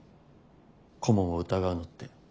顧問を疑うのって。